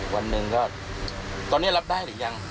วันหนึ่งก็ตอนนี้รับได้หรือยัง